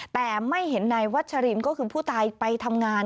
แต่ไม่เห็นนายวัชรินก็คือผู้ตายไปทำงาน